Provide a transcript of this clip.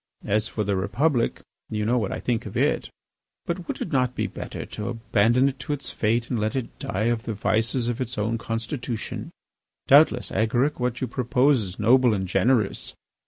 As for the Republic, you know what I think of it. ... But would it not be better to abandon it to its fate and let it die of the vices of its own constitution? Doubtless, Agaric, what you propose is noble and generous.